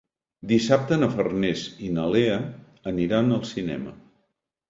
Dissabte na Farners i na Lea aniran al cinema.